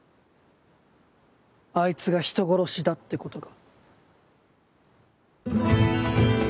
あいつが人殺しだってことが。